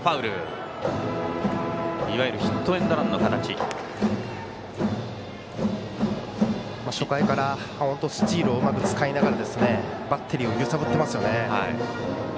いわゆるヒットエンドランの形を初回からスチールをうまく使ってバッテリーを揺さぶっていますね。